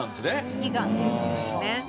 危機感という事ですね。